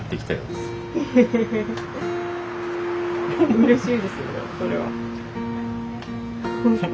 うれしいですねそれは。